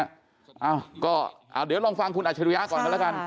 อ้าวก็เดี๋ยวลองฟังคุณอัชริยะก่อนด้วยละกัน